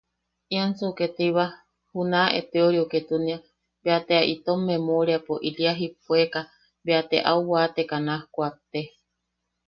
Iansu te ketiba juna eteori ketuni, ‘bea ta itom memoriapo ili a jipuekaʼ, bea te au waateka naj kuakte.